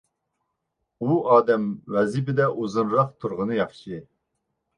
ئۇ ئادەم ۋەزىپىدە ئۇزۇنراق تۇرغىنى ياخشى.